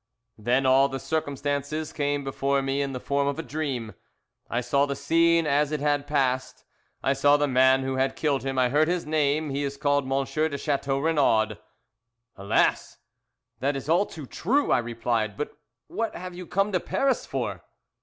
"Then all the circumstances came before me in the form of a dream. I saw the scene as it had passed. I saw the man who had killed him. I heard his name. He is called M. de Chateau Renaud." "Alas! that is all too true," I replied; "but what have you come to Paris for?"